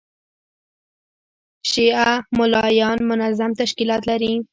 شیعه مُلایان منظم تشکیلات لري.